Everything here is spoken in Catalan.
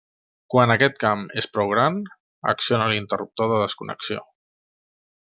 Quan aquest camp és prou gran, acciona l'interruptor de desconnexió.